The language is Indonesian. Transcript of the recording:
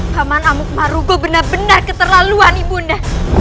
paman amuk marugo benar benar keterlaluan ibunya